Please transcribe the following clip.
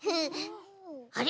あれ？